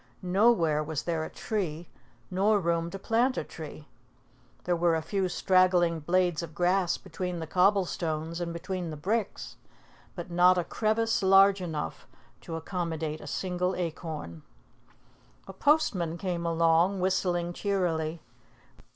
Nowhere was there a tree, nor room to plant a tree. There were a few straggling blades of grass between the cobble stones and between the bricks, but not a crevice large enough to accommodate a single acorn. A postman came along, whistling cheerily.